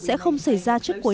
và sẽ không xảy ra trong lúc này